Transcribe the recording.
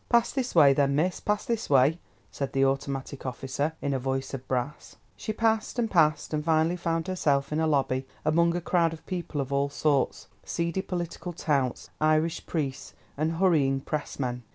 "Pass this way, then, miss—pass this way," said the automatic officer in a voice of brass. She passed, and passed, and finally found herself in a lobby, among a crowd of people of all sorts—seedy political touts, Irish priests and hurrying press men.